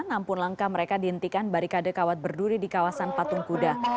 namun langkah mereka dihentikan barikade kawat berduri di kawasan patung kuda